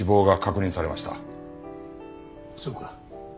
そうか。